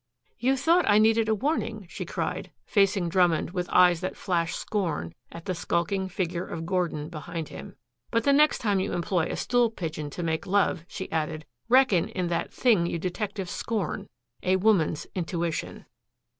"You thought I needed a warning," she cried, facing Drummond with eyes that flashed scorn at the skulking figure of Gordon behind him. "But the next time you employ a stool pigeon to make love," she added, "reckon in that thing you detectives scorn a woman's intuition."